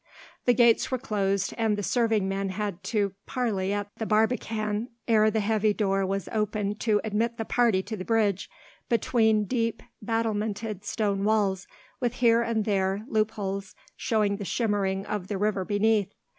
The gates were closed, and the serving men had to parley at the barbican ere the heavy door was opened to admit the party to the bridge, between deep battlemented stone walls, with here and there loopholes, showing the shimmering of the river beneath.